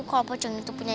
kalau pocong itu punya